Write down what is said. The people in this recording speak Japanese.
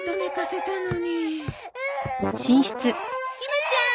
ひまちゃん。